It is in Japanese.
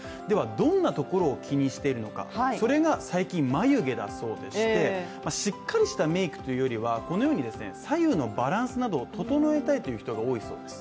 どんなところを気にしているのか、それが最近、眉毛だそうでして、しっかりしたメイクというよりは、左右の違いを整えたいという人が多いそうです。